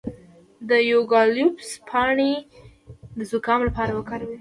د یوکالیپټوس پاڼې د زکام لپاره وکاروئ